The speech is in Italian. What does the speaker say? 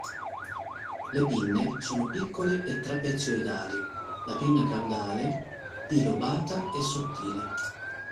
Le pinne sono piccole e trapezoidali, la pinna caudale bilobata e sottile.